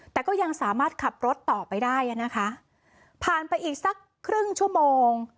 แต่ก็ยังสามารถขับรถต่อไปได้อ่ะนะคะผ่านไปอีกสักครึ่งชั่วโมง